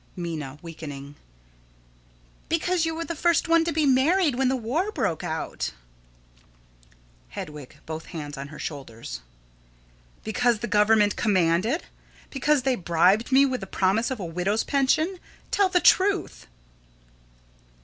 Minna: [Weakening.] Because you were the first one to be married when the war broke out. Hedwig: [Both hands on her shoulders.] Because the Government commanded? Because they bribed me with the promise of a widow's pension? Tell the truth.